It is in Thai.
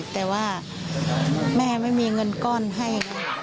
แต่ว่าแม่ไม่มีเงินก้อนให้